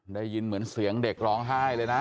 ได้ยินเหมือนเสียงเด็กร้องไห้เลยนะ